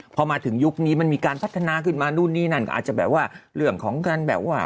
พอมาถึงยุคนี้มันมีการพัฒนาขึ้นมานู่นนี่นั่นก็อาจจะแบบว่าเรื่องของการแบบว่า